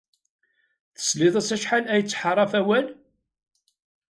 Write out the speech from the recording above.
Tesliḍ-as acḥal ay yettḥaṛaf awal?